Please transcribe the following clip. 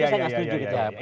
saya gak setuju gitu